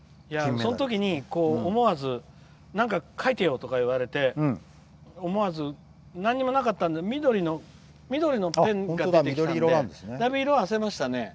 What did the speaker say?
そのときに思わず「なんか書いてよ」って言われて思わずなんにもなかったんで緑色のペンを持ってきたんでだいぶ、色があせましたね。